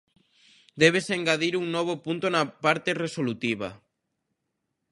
Débese engadir un novo punto na parte resolutiva: